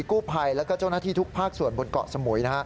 กู้ภัยแล้วก็เจ้าหน้าที่ทุกภาคส่วนบนเกาะสมุย